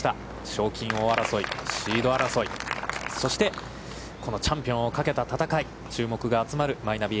賞金王争い、シード争い、そして、このチャンピオンをかけた戦い、注目が集まるマイナビ